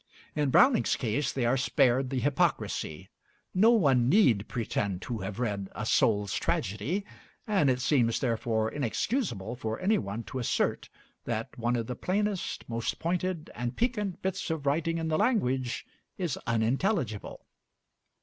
In Browning's case they are spared the hypocrisy. No one need pretend to have read 'A Soul's Tragedy'; and it seems, therefore, inexcusable for any one to assert that one of the plainest, most pointed and piquant bits of writing in the language is unintelligible.